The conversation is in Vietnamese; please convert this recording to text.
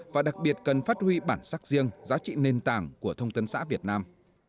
và đặc biệt cần phát huy bản sắc riêng giá trị nền tảng của thông tấn xã việt nam